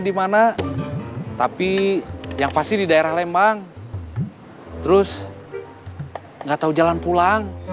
sampai jumpa di video selanjutnya